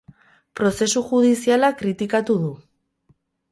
Prozesu judiziala kritikatu du.